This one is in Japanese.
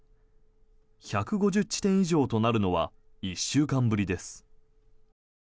１５０地点以上となるのは１週間ぶりです。